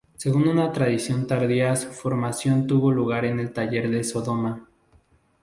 Según una tradición tardía su formación tuvo lugar en el taller del Sodoma.